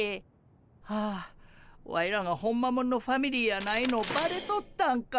はあワイらがホンマもんのファミリーやないのバレとったんか。